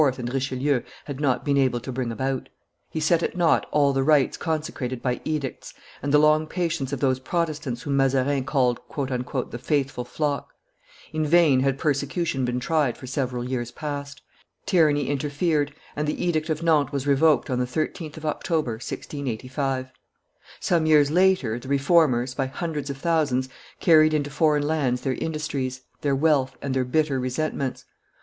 and Richelieu had not been able to bring about. He set at nought all the rights consecrated by edicts, and the long patience of those Protestants whom Mazarin called "the faithful flock;" in vain had persecution been tried for several years past; tyranny interfered, and the edict of Nantes was revoked on the 13th of October, 1685. Some years later, the Reformers, by hundreds of thousands, carried into foreign lands their industries, their wealth, and their bitter resentments.